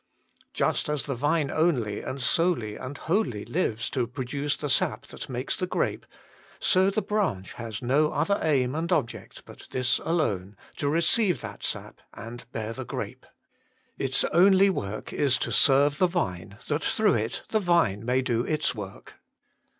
Just as the vine only and solely and wholly lives to produce the sap that makes the grape, so the branch has no other aim and object but this alone, to receive that sap and bear the grape. Its only work is to serve the vine, that through it the vine may do its work.